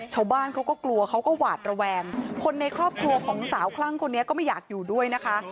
ชาวบ้านเขาก็กลัวเขาก็หวาดระแวงคนในครอบครัวของสาวคลั่งคนนี้ก็ไม่อยากอยู่ด้วยนะคะ